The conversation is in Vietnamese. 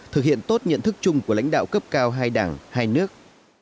thực hiện tốt nhận thức chung của lãnh đạo cấp cao hai đảng hai nước